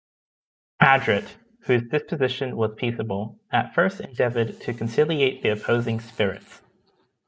Adret, whose disposition was peaceable, at first endeavored to conciliate the opposing spirits.